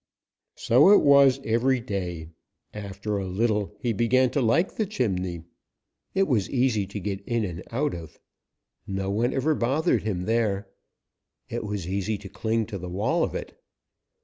So it was every day. After a little he began to like the chimney. It was easy to get in and out of. No one ever bothered him there. It was easy to cling to the wall of it.